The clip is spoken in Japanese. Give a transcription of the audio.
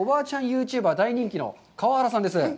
ユーチューバー、大人気の川原さんです。